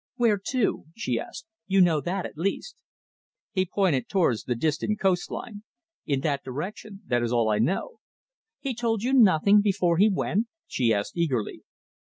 "Where to?" she asked. "You know that, at least." He pointed towards the distant coast line. "In that direction! That is all I know." "He told you nothing before he went?" she asked eagerly.